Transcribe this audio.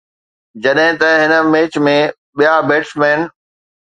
جڏهن ته هن ميچ ۾ ٻيا بيٽسمين